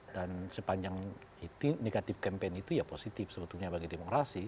dan sepanjang itu negative campaign itu ya positif sebetulnya bagi demokrasi